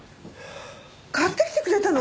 買ってきてくれたの！？